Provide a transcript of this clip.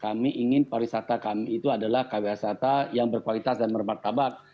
kami ingin pariwisata kami itu adalah pariwisata yang berkualitas dan mermertabat